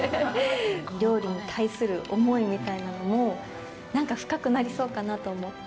料理に対する思いみたいなのも、なんか深くなりそうかなと思って。